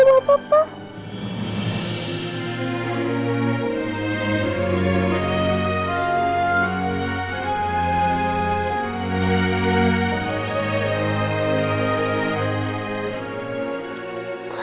tidak apa apa tidak apa apa